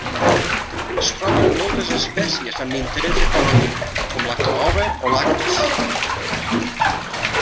Es troben moltes espècies amb interés econòmic com la caoba o l'acres.